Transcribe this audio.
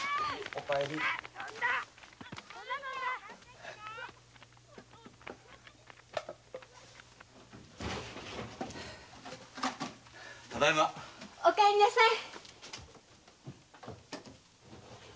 お帰りなさい！